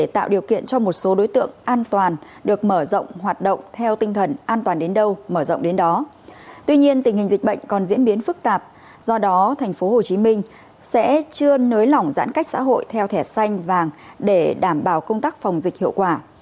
tuy nhiên tình hình dịch bệnh còn diễn biến phức tạp do đó tp hcm sẽ chưa nới lỏng giãn cách xã hội theo thẻ xanh vàng để đảm bảo công tác phòng dịch hiệu quả